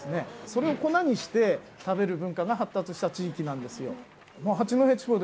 それを粉にして食べる文化が発達した地域なんですよ。